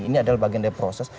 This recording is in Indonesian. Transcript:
ini adalah bagian dari proses